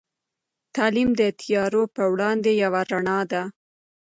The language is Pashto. تعلیم د تيارو په وړاندې یوه رڼا ده.